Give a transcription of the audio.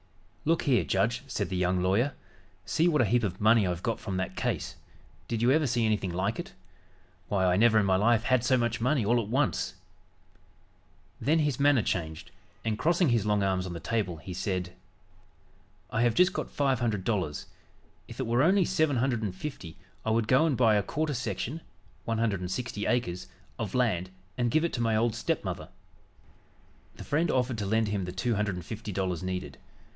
"Look here, judge," said the young lawyer. "See what a heap of money I've got from that case. Did you ever see anything like it? Why, I never in my life had so much money all at once!" Then his manner changed, and crossing his long arms on the table he said: "I have got just five hundred dollars; if it were only seven hundred and fifty I would go and buy a quarter section (160 acres) of land and give it to my old stepmother." The friend offered to lend him the two hundred and fifty dollars needed.